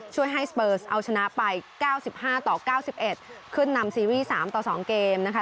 ช่วยให้สเปอร์สเอาชนะไป๙๕ต่อ๙๑ขึ้นนำซีรีส์๓ต่อ๒เกมนะคะ